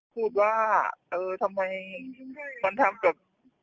พูดว่าเออทำไมมันทำกับ